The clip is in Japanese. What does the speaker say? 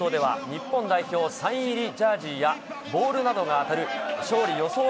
地上波データ放送では日本代表サイン入りジャージーやボールなどが当たる勝利予想